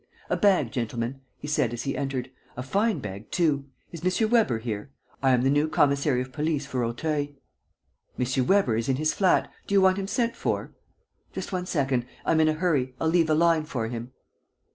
"A bag, gentlemen," he said, as he entered, "a fine bag too. Is M. Weber here? I am the new commissary of police for Auteuil." "M. Weber is in his flat. Do you want him sent for?" "Just one second. I'm in a hurry. I'll leave a line for him."